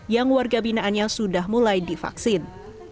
yang warga binaannya sudah mulai divaksin